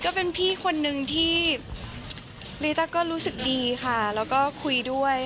ก็เป็นพี่คนนึงที่ลีต้าก็รู้สึกดีค่ะแล้วก็คุยด้วย